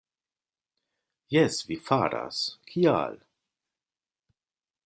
Jes, vi faras; kial?